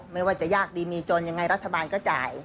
ไม่ว่าจะยากดีมีจนยังไงรัฐบาลก็จ่าย